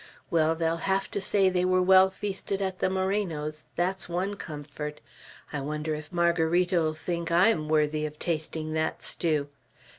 Well, they'll have to say they were well feasted at the Moreno's, that's one comfort. I wonder if Margarita'll think I am worthy of tasting that stew!